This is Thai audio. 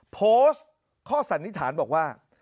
โพสต์ข้อสันนิษฐานบอกว่า